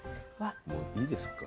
もういいですか。